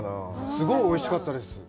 すごいおいしかったです。